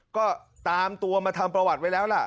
ก็ตามตัวมาทำประวัติไว้แล้วล่ะ